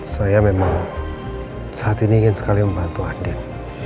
saya memang saat ini ingin sekali membantu adik